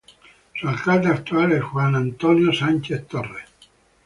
Su alcalde actual es Juan Antonio Sánchez Torres.